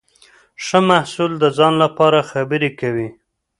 ښه محصول د ځان لپاره خبرې کوي.